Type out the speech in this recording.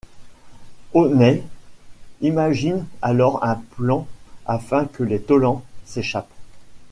O'Neill imagine alors un plan afin que les Tollans s'échappent.